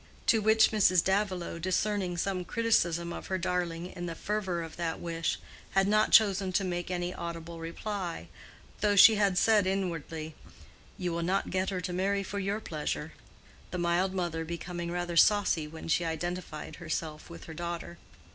to which Mrs. Davilow discerning some criticism of her darling in the fervor of that wish, had not chosen to make any audible reply, though she had said inwardly, "You will not get her to marry for your pleasure"; the mild mother becoming rather saucy when she identified herself with her daughter.